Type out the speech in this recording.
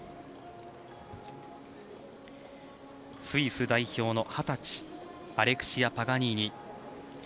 スイス代表の二十歳アレクシア・パガニーニ。